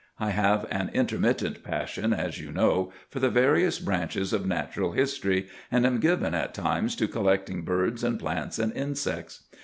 I have an intermittent passion, as you know, for the various branches of natural history, and am given at times to collecting birds and plants and insects.